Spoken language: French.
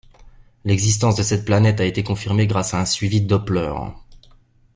L'existence de cette planète a été confirmée grâce à un suivi Doppler.